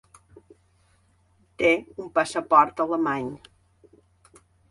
Té un passaport alemany.